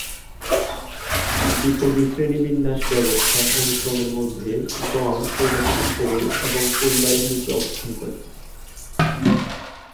দ্বিপদী শ্রেণীবিন্যাস ব্যবস্থা অনুক্রমের মধ্যে, গণ প্রজাতির উপরে এবং পরিবারের নিচে অবস্থান করে।